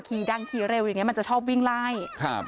ดังขี่เร็วอย่างเงี้มันจะชอบวิ่งไล่ครับ